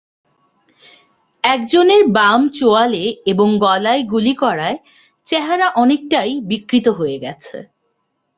একজনের বাম চোয়ালে এবং গলায় গুলি করায় চেহারা অনেকটাই বিকৃত হয়ে গেছে।